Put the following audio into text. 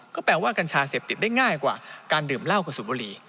ก็แปลว่ากัญชาเสพติดได้ง่ายกว่าการดื่มเหล้ากับสูบบุหรี่